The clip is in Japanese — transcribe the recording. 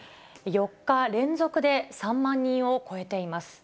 ４日連続で３万人を超えています。